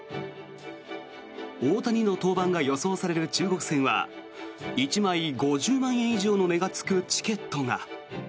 大谷の登板が予想される中国戦は１枚５０万円以上の値がつくチケットが。